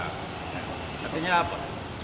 nah artinya apa